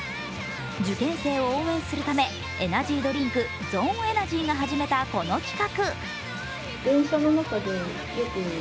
受験生を応援するためエナジードリンク、ＺＯＮｅＥＮＥＲＧＹが始めたこの企画。